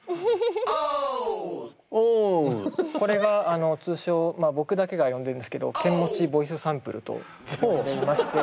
これが通称僕だけが呼んでるんですけどケンモチボイスサンプルと呼んでいまして。